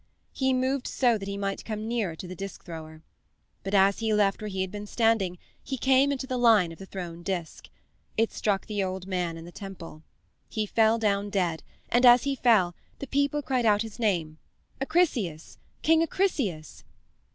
He moved so that he might come nearer to the disk thrower. But as he left where he had been standing he came into the line of the thrown disk. It struck the old man on the temple. He fell down dead, and as he fell the people cried out his name "Acrisius, King Acrisius!"